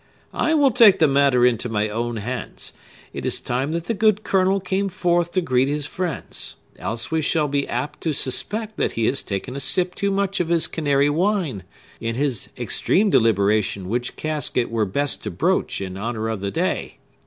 "I will take the matter into my own hands. It is time that the good Colonel came forth to greet his friends; else we shall be apt to suspect that he has taken a sip too much of his Canary wine, in his extreme deliberation which cask it were best to broach in honor of the day!